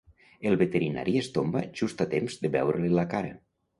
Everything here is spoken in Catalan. El veterinari es tomba just a temps de veure-li la cara.